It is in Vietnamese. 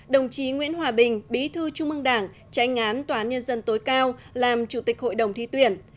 đồng chí nguyễn hòa bình bí thư trung ương đảng tranh án tòa án nhân dân tối cao làm chủ tịch hội đồng thi tuyển